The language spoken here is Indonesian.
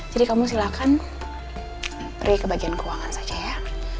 jadi kamu silahkan pergi ke bagian keuangan saja ya